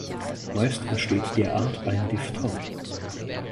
Meist entsteht derart ein Diphthong.